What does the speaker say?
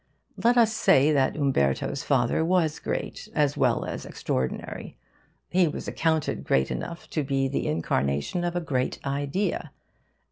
Let us say that Umberto's father was great, as well as extraordinary. He was accounted great enough to be the incarnation of a great idea.